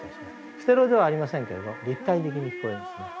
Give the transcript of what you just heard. ステレオではありませんけど立体的に聞こえますね。